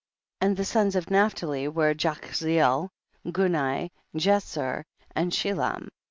And the sons of Naphtali were Jachzeel, Guni, Jctzer and Shilam.